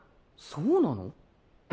そうなの？